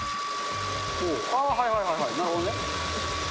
ああ、はいはいはい、なるほどね。